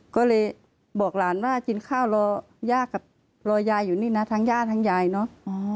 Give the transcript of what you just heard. ก็เลยบอกหลานว่ากินข้าวรอย่ากับรอยายอยู่นี่นะทั้งย่าทั้งยายเนอะ